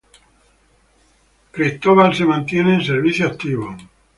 Chris se mantiene en servicio activo.